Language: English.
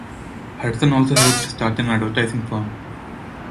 Hudson also helped start an advertising firm.